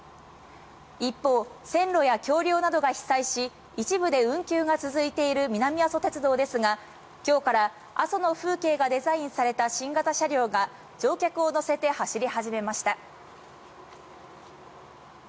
一方、線路や橋りょうなどが被災し、一部で運休が続いている南阿蘇鉄道ですが、きょうから阿蘇の風景がデザインされた新型車両が、乗客を乗せて走り始めました。